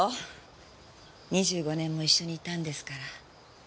２５年も一緒にいたんですから。